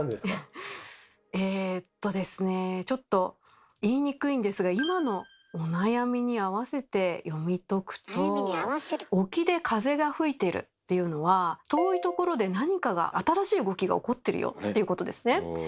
えっとですねちょっと言いにくいんですが今のお悩みに合わせて読み解くと「沖で風が吹いている」っていうのは「遠いところでなにかが新しい動きが起こってるよ」っていうことですね。